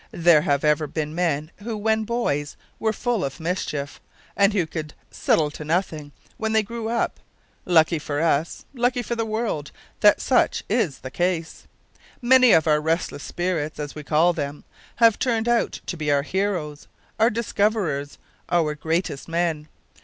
There have ever been men who, when boys, were full of mischief, and who could "settle to nothing" when they grew up. Lucky for us, lucky for the world, that such is the case! Many of our "restless spirits," as we call them, have turned out to be our heroes, our discoverers, our greatest men.